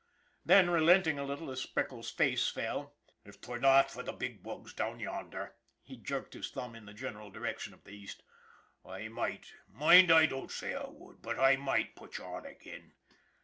Then, relenting a little as Speckles' face fell: "If 'twere not fer the big bugs down yonder " he jerked his thumb in the general direction of the East " I might moind, I don't say I would, but I might put you on ag'in.